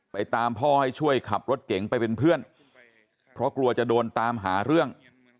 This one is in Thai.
ตามพ่อให้ช่วยขับรถเก๋งไปเป็นเพื่อนเพราะกลัวจะโดนตามหาเรื่อง